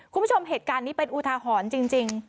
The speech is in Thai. คุณผู้ชมเหตุการณ์นี้เป็นอุทาหรณ์จริง